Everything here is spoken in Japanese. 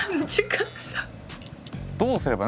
どうすればね